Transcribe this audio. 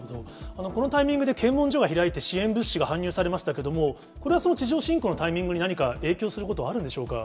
このタイミングで検問所が開いて、支援物資が搬入されましたけれども、これはその地上侵攻のタイミングに何か影響することはあるんでしょうか。